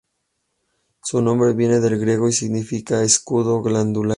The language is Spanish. Su nombre viene del griego y significa "escudo glandular".